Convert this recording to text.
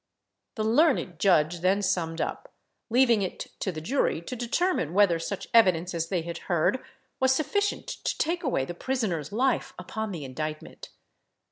The learned judge then summed up, leaving it to the jury to determine whether such evidence as they had heard was sufficient to take away the prisoner's life upon the indictment.